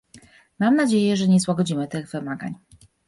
Mam nadzieję, że nie złagodzimy tych wymagań